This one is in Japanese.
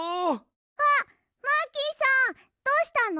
あっマーキーさんどうしたの？